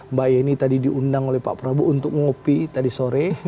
mbak yeni tadi diundang oleh pak prabowo untuk ngopi tadi sore